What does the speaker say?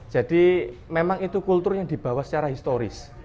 jadi memang itu kultur yang dibawa secara historis